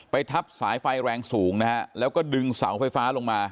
ทับสายไฟแรงสูงนะฮะแล้วก็ดึงเสาไฟฟ้าลงมา